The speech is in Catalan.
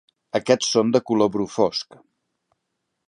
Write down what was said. Aquests són de color bru fosc.